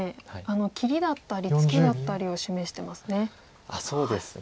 切りだったりツケだったりを示してますね。